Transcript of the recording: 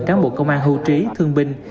tráng bộ công an hưu trí thương binh